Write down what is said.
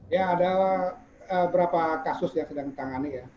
ya ada berapa kasus yang sedang ditangani ya